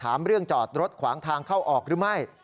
ถามเรื่องจอดรถขวางทางเข้าออกหรือไม่